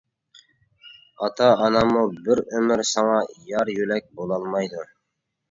ئاتا-ئاناممۇ بىر ئۆمۈر ساڭا يار-يۆلەك بولالمايدۇ.